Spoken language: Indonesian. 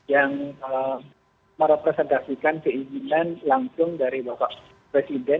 yang merepresendasikan keizinan langsung dari bapak presiden